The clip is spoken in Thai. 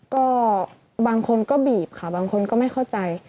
ก็บางคนก็บีบค่ะบางคนก็ไม่เข้าใจ